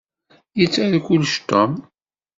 Yettaru kullec Tom.